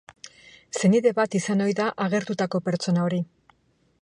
Senide bat izan ohi da agertutako pertsona hori.